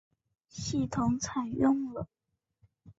系统采用了。